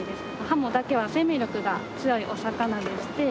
ハモだけは生命力が強いお魚でして。